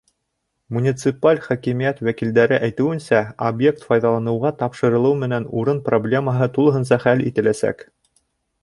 Муниципаль хакимиәт вәкилдәре әйтеүенсә, объект файҙаланыуға тапшырылыу менән урын проблемаһы тулыһынса хәл ителәсәк.